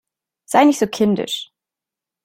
Sei nicht so kindisch!